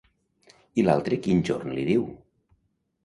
I l'altre quin jorn li diu?